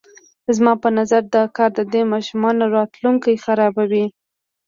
زما په نظر دا کار د دې ماشومانو راتلونکی خرابوي.